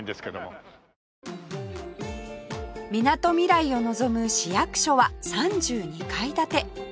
みなとみらいを望む市役所は３２階建て